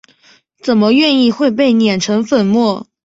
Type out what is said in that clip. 怎么愿意会被碾成粉末？